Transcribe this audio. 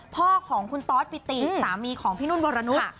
พ่อของคุณต้อสฟิตรีสามีของพี่นูนบรณนุษย์